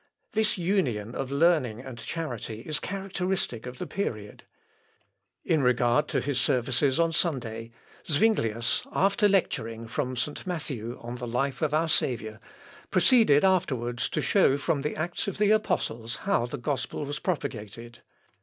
This union of learning and charity is characteristic of the period. In regard to his services on Sunday, Zuinglius, after lecturing from St. Matthew on the life of our Saviour, proceeded afterwards to show from the Acts of the Apostles how the gospel was propagated.